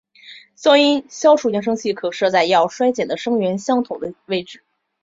噪音消除扬声器可设在要衰减的声源相同的位置。